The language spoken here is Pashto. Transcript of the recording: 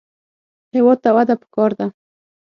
هېواد ته وده پکار ده